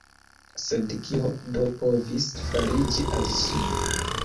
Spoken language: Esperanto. Sed kio do povis fariĝi al ŝi?